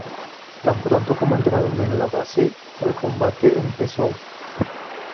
Tan pronto como entraron en la base, el combate empezó.